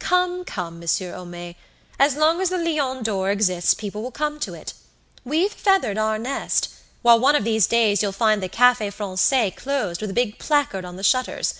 "Come, come, Monsieur Homais; as long as the 'Lion d'Or' exists people will come to it. We've feathered our nest; while one of these days you'll find the 'Cafe Francais' closed with a big placard on the shutters.